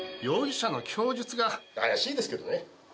容疑者の供述が怪しいですけどね。